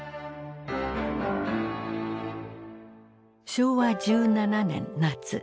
昭和１７年夏。